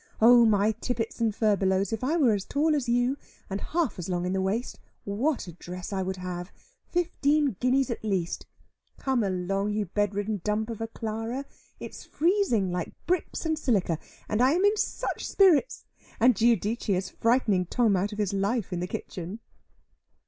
Oh my tippets and furbelows, if I wore as tall as you, and half as long in the waist, what a dress I would have. Fifteen guineas at least. Come along, you bed ridden dump of a Clara; it's freezing like bricks and silica, and I am in such spirits, and Giudice is frightening Tom out of his life in the kitchen."